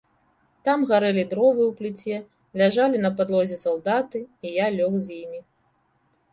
Там гарэлі дровы ў пліце, ляжалі на падлозе салдаты, і я лёг з імі.